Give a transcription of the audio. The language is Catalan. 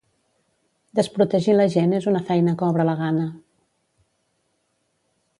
Desprotegir la gent és una feina que obre la gana.